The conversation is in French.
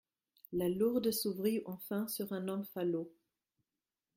La lourde s’ouvrit enfin sur un homme falot.